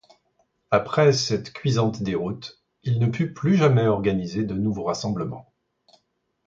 Après cette cuisante déroute, il ne put plus jamais organiser de nouveaux rassemblements.